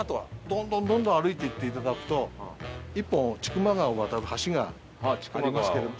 どんどんどんどん歩いていっていただくと１本千曲川を渡る橋がありますけども。